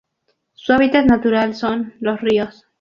Su hábitat natural son: los ríos.